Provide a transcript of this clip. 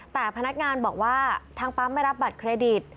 แต่พนักงานบอกว่าทางปั๊มไม่รับบัตรเครดิต